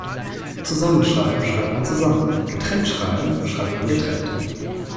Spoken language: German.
Zusammenschreiben schreibt man zusammen, getrennt schreiben schreibt man getrennt.